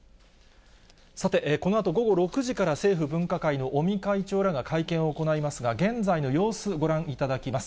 さて、このあと午後６時から、政府分科会の尾身会長らが会見を行いますが、現在の様子、ご覧いただきます。